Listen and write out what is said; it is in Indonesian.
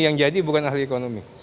yang jadi bukan ahli ekonomi